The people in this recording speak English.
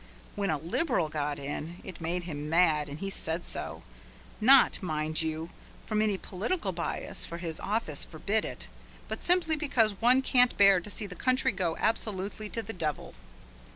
When a Liberal got in, it made him mad, and he said so, not, mind you, from any political bias, for his office forbid it, but simply because one can't bear to see the country go absolutely to the devil.